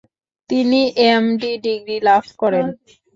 তিনি M. D. Degree লাভ করেন।